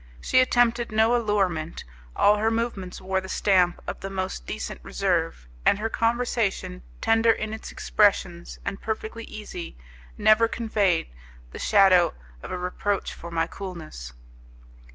She attempted no allurement, all her movements wore the stamp of the most decent reserve, and her conversation, tender in its expressions and perfectly easy, never conveyed the shadow of a reproach for my coolness.